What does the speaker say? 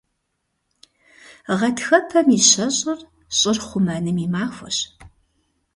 Гъэтхэпэм и щэщӏыр – щӏыр хъумэным и махуэщ.